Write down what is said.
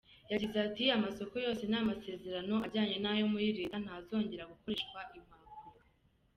Yagize ati “Amasoko yose n’amasezerano ajyanye nayo muri leta ntazongera gukoreshwamo impapuro.